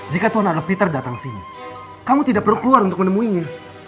jika kau ada tidak datang tetap kamu tidak beru keluar dan tukgu ini